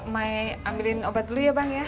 may ambilin obat dulu ya bang ya